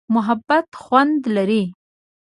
محبت خوند لري.